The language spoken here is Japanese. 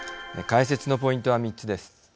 解説のポイントは３つです。